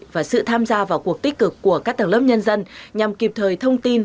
và sự tham gia vào cuộc tích cực của các tầng lớp nhân dân nhằm kịp thời thông tin